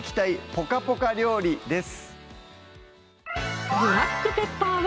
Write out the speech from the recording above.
ポカポカ料理」です